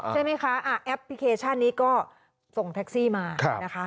ใช่ไหมคะแอปพลิเคชันนี้ก็ส่งแท็กซี่มานะคะ